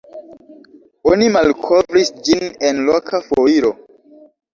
Oni malkovris ĝin en loka foiro.